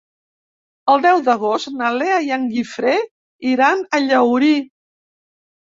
El deu d'agost na Lea i en Guifré iran a Llaurí.